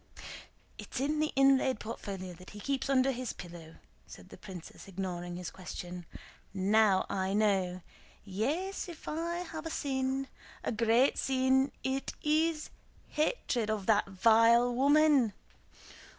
"It's in the inlaid portfolio that he keeps under his pillow," said the princess, ignoring his question. "Now I know! Yes; if I have a sin, a great sin, it is hatred of that vile woman!"